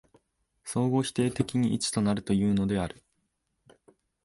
相互否定的に一となるというのである。